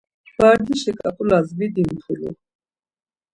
Bardişi ǩap̌ulas mi dimpulu?